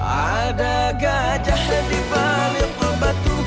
ada gajah yang dibalik ke batu